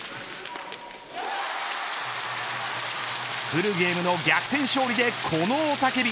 フルゲームの逆転勝利でこの雄たけび。